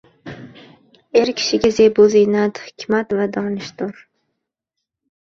Er kishiga zebu ziynat, hikmat va donishdur.